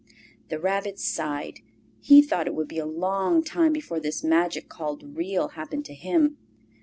The Rabbit sighed. He thought it would be a long time before this magic called Real happened to him.